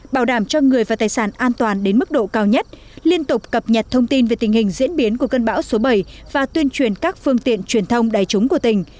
bảo đảm cho người và tài sản an toàn đến mức độ cao nhất liên tục cập nhật thông tin về tình hình diễn biến của cơn bão số bảy và tuyên truyền các phương tiện truyền thông đại chúng của tỉnh